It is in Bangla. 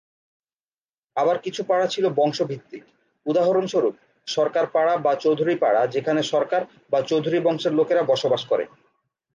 আবার কিছু পাড়া ছিল বংশ ভিত্তিক; উদাহরণস্বরুপ, সরকার পাড়া বা চৌধুরী পাড়া যেখানে সরকার বা চৌধুরী বংশের লোকেরা বসবাস করে।